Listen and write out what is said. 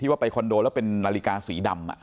ว่าไปคอนโดแล้วเป็นนาฬิกาสีดำ